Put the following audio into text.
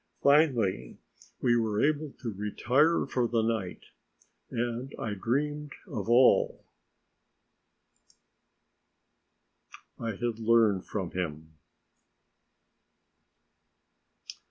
Finally, we were able to retire for the night, and I dreamed of all I had learned from him.